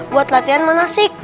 buat latihan manasik